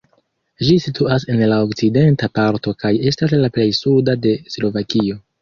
Ĝi situas en la okcidenta parto kaj estas la plej suda de Slovakio.